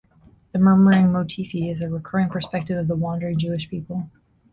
The 'murmuring motifi' is a recurring perspective of the wandering Jewish people.